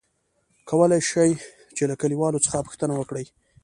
کولاى شې ،چې له کليوالو څخه پوښتنه وکړې ؟